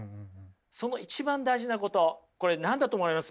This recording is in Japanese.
その一番大事なことこれ何だと思われます？